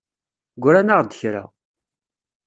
Gran-aɣ-d kra.